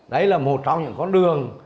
đấy là một trong những con đường